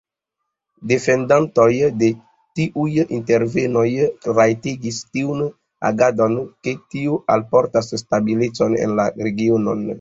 Defendantoj de tiuj intervenoj rajtigis tiun agadon, ke tio alportas stabilecon en la regionon.